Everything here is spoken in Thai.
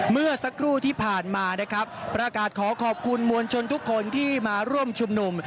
เมื่อสักครู่ที่ผ่านมานะครับประกาศขอขอบคุณมวลชนทุกคนที่มาร่วมชุมนุม